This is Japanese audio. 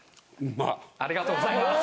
ありがとうございます。